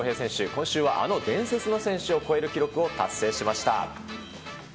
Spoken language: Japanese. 今週はあの伝説の選手を超える記録を達成しました。